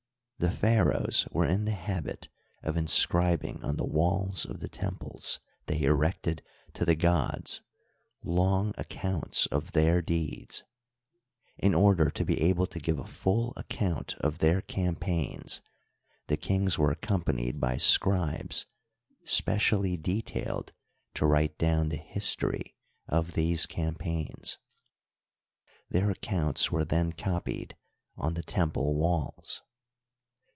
The pharaohs were in the habit of inscribing on the walls of the temples they erected to the gods long accounts of their deeds. In order to be able to give a full account of their campaigns the kings were ac companied by scribes specially detailed to write down the history of these campaigns. Their accounts were then copied on the temple wsdls.